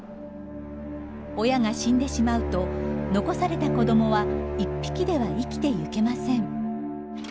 親が死んでしまうと残された子どもは１匹では生きてゆけません。